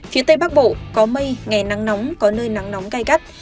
phía tây bắc bộ có mây ngày nắng nóng có nơi nắng nóng gai gắt